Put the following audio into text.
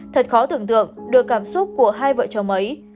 thật khó tưởng tượng được cảm xúc của hai vợ chồng ấy